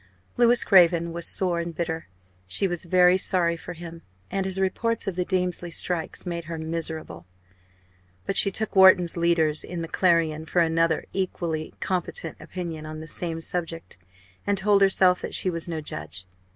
Louis Craven was sore and bitter. She was very sorry for him; and his reports of the Damesley strikers made her miserable. But she took Wharton's "leaders" in the Clarion for another equally competent opinion on the same subject; and told herself that she was no judge.